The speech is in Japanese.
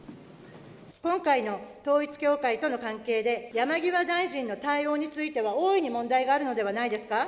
今回の統一教会との関係で、山際大臣の対応については、大いに問題があるのではないですか。